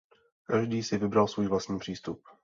Každý si vybral svůj vlastní přístup.